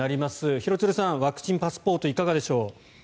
廣津留さん、ワクチンパスポートいかがでしょう。